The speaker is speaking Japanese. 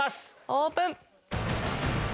オープン。